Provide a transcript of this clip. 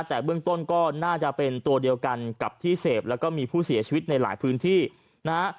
แต่เบื้องต้นก็น่าจะเป็นตัวเดียวกันกับที่เสพแล้วก็มีผู้เสียชีวิตในหลายพื้นที่นะฮะ